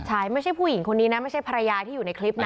ใช่ไม่ใช่ผู้หญิงคนนี้นะไม่ใช่ภรรยาที่อยู่ในคลิปนะ